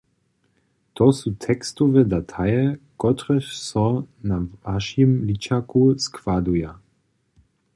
To su tekstowe dataje, kotrež so na wašim ličaku składuja.